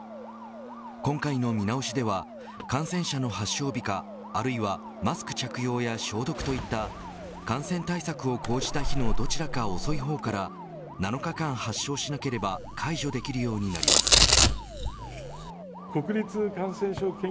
今回の見直しでは感染者の発症日かあるいはマスク着用や消毒といった感染対策を講じた日のどちらか遅い方から７日間発症しなければ解除できるようになります。